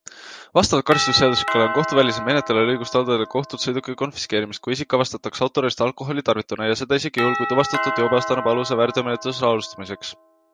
Vastavalt karistusseadustikule on kohtuvälisel menetlejal õigus taotleda kohtult sõiduki konfiskeerimist, kui isik avastatakse autoroolist alkoholi tarvitanuna ja seda isegi juhul, kui tuvastatud joobeaste annab aluse väärteomenetluse alustamiseks.